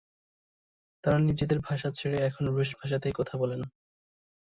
তারা নিজেদের ভাষা ছেড়ে এখন রুশ ভাষাতেই কথা বলেন।